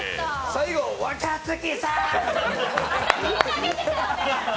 最後、若槻さんって！